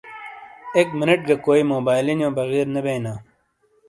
ای منیٹ گہ کوئی سنی موبائیلو نیو بغیر نے بیئینا۔